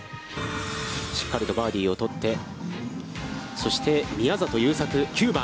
しっかりとバーディーを取って、そして宮里優作、９番。